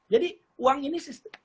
jadi uang ini